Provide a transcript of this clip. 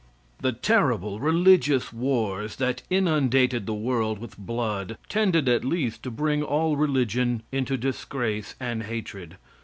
The terrible religious wars that inundated the world with blood tended at least to bring all religion into disgrace and hatred.